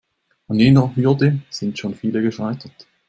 An jener Hürde sind schon viele gescheitert.